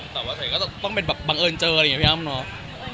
แต่ว่าทำเป็นต้องเจออะไรไงอ้าง